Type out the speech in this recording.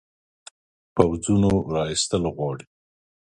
پوځونو را ایستل غواړي.